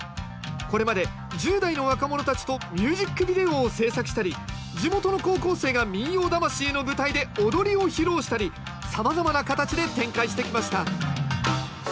これまで１０代の若者たちとミュージックビデオを制作したり地元の高校生が「民謡魂」の舞台で踊りを披露したりさまざまな形で展開してきました